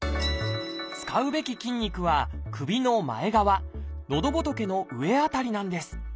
使うべき筋肉は首の前側のどぼとけの上辺りなんです。